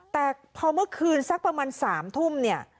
แต่พอเมื่อคืนสักประมาณ๓ทุ่มเนี่ย